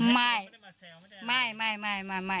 ไม่ได้มาแทะลงไม่ได้มาแสวไม่ได้